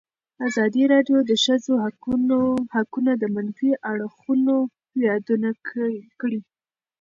ازادي راډیو د د ښځو حقونه د منفي اړخونو یادونه کړې.